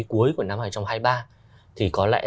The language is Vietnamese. cuối của năm hai nghìn hai mươi ba thì có lẽ